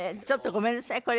ちょっとごめんなさい。